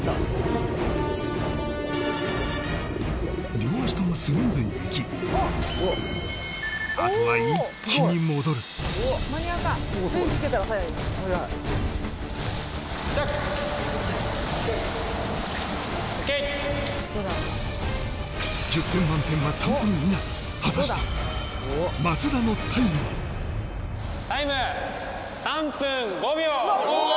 両足ともスムーズにいきあとは一気に戻る１０点満点は３分以内果たしてタイム３分５秒！